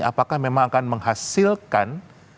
apakah memang akan menghasilkan